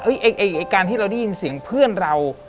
ไอ้การที่เราได้ยินเสียงเพื่อนเรา